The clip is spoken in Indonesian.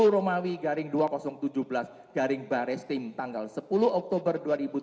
sepuluh romawi garing dua ribu tujuh belas garing baris tim tanggal sepuluh oktober dua ribu tujuh belas